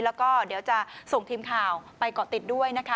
แล้วก็เดี๋ยวจะส่งทีมข่าวไปเกาะติดด้วยนะคะ